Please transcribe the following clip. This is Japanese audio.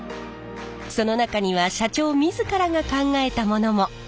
その中には社長自らが考えたものも。